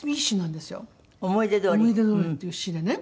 『想い出通り』っていう詞でね。